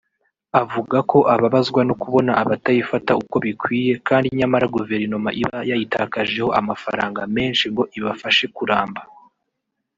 avuga ko ababazwa no kubona abatayifata uko bikwiye kandi nyamara guverinoma iba yayitakajeho amafaranga menshi ngo ibafashe kuramba